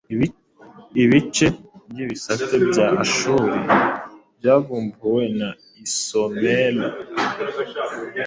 Ibice byibisate bya Ashuri byavumbuwe mu isomer